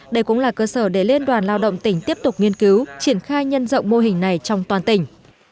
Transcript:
đây cũng là cơ sở để liên đoàn lao động tỉnh tiếp tục nghiên cứu triển khai nhân rộng mô hình này trong toàn tỉnh